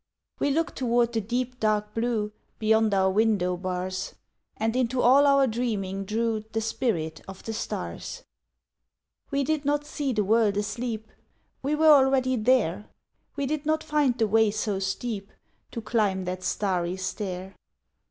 We looked toward the deep dark blue Beyond our window bars, And into all our dreaming drew The spirit of the stars. We did not see the world asleep We were already there! We did not find the way so steep To climb that starry stair.